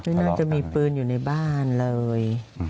ไม่น่าจะมีปืนอยู่ในบ้านเลย